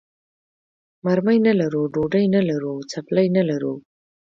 مرمۍ نه لرو، ډوډۍ نه لرو، څپلۍ نه لرو.